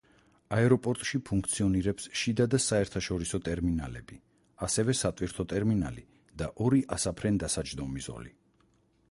აეროპორტში ფუნქციონირებს შიდა და საერთაშორისო ტერმინალები, ასევე სატვირთო ტერმინალი და ორი ასაფრენ-დასაჯდომი ზოლი.